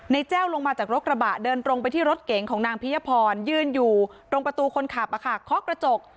แจ้วลงมาจากรถกระบะเดินตรงไปที่รถเก๋งของนางพิยพรยืนอยู่ตรงประตูคนขับเคาะกระจก